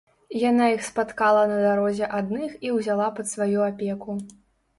Яна іх спаткала на дарозе адных і ўзяла пад сваю апеку.